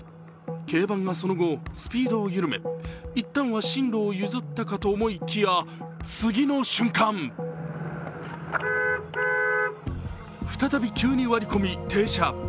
軽バンがその後、スピードを緩め一旦は進路を譲ったかと思いきや、次の瞬間再び急に割り込み、停車。